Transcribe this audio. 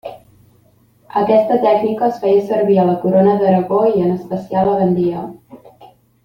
Aquesta tècnica es feia servir a la Corona d'Aragó i en especial a Gandia.